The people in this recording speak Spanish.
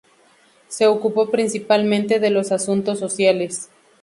Se ocupó principalmente de los asuntos sociales.